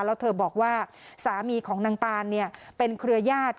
แล้วเธอบอกว่าสามีของนางตานเป็นเครือญาติ